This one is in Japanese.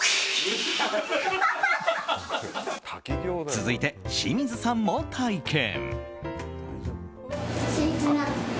続いて、清水さんも体験。